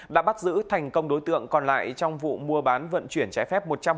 đã bắt giữ thành công đối tượng còn lại trong vụ mua bán vận chuyển trái phép